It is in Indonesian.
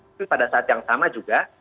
tapi pada saat yang sama juga